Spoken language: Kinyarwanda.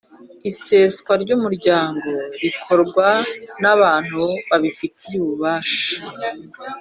Iseswa ry’umuryango rikorwa n’abantu babifitiye ububasha